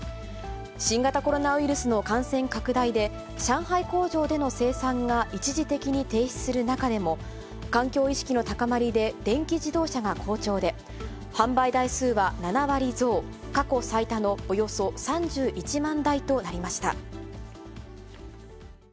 新型コロナウイルスの感染拡大で、上海工場での生産が一時的に停止する中でも、環境意識の高まりで電気自動車が好調で、販売台数は７割増、過去最多のおよそ３１万台となりました。